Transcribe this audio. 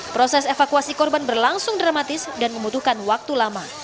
proses evakuasi korban berlangsung dramatis dan membutuhkan waktu lama